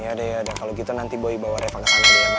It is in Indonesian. yaudah ya udah kalau gitu nanti boy bawa reva ke sana ya ma